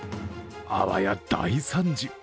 あわや大惨事。